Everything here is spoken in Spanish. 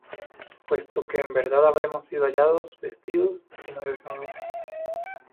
Puesto que en verdad habremos sido hallados vestidos, y no desnudos.